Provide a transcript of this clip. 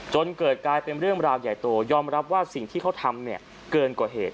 จนเกิดกลายเป็นเรื่องราวใหญ่โตยอมรับว่าสิ่งที่เขาทำเนี่ยเกินกว่าเหตุ